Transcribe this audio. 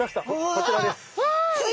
こちらです。